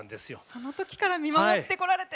そのときから見守ってこられて。